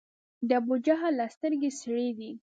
د ابوجهل لا سترګي سرې دي